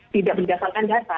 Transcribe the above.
tidak berdasarkan data